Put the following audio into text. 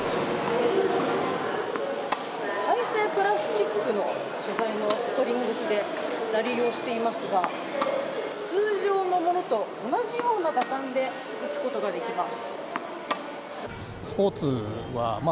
再生プラスチックの素材のストリングスでラリーをしていますが通常のものと同じような打感で打つことができます。